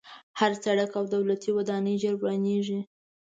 هر سړک او دولتي ودانۍ ژر ورانېږي.